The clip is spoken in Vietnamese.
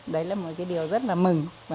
đấy là một cái điều rất là mừng